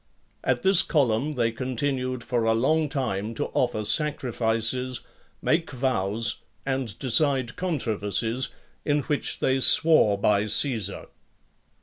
At this column they continued for a long time to offer sacrifices, make vows, and decide controversies, in which they swore by Caesar.